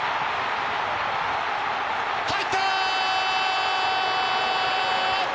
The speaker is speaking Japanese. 入った！